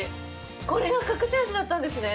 これが隠し味だったんですね！